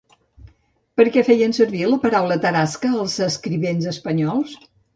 Per a què feien servir la paraula “tarasca” els escrivents espanyols?